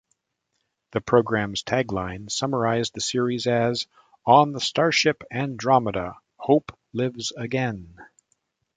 The programs' tagline summarizes the series as: "On the starship Andromeda, hope lives again".